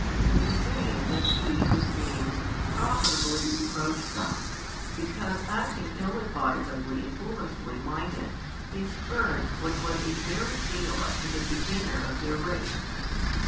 In the same does He (it seems) profitably reproach them, because acting ill advisedly and foolishly minded they spurn what was a very gala to the beginner of their race.